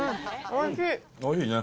おいしいね。